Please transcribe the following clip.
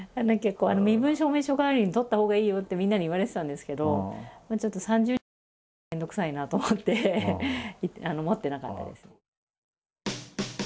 身分証明書代わりに取ったほうがいいよってみんなに言われてたんですけどちょっと３０日間も行くの面倒くさいなと思って持ってなかったです。